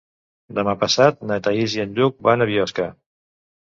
Demà passat na Thaís i en Lluc van a Biosca.